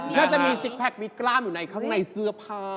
น่าจะมีสติ๊กแพ็กมีกล้ามอยู่ในเสื้อผ้า